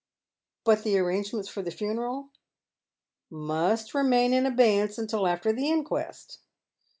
" But the arrangements for the funeral "" Must remain in abeyance till after the inquest."